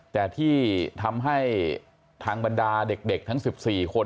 แต่ที่ทำให้ทางบรรดาเด็กทั้ง๑๔คน